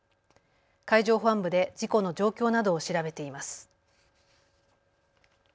海上保安部で事故の状況などを調べています。